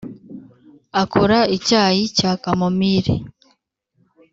akora icyayi cya kamomile;